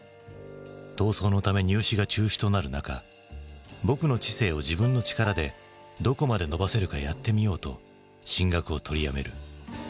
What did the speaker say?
闘争のため入試が中止となる中「ぼくの知性を自分の力でどこまで伸ばせるかやってみよう」と進学をとりやめる。